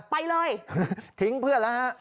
ไปเลยทิ้งเพื่อนแล้วฮะ